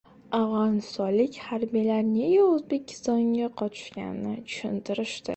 Afg‘onistonlik harbiylar nega O‘zbekistonga qochishganini tushuntirishdi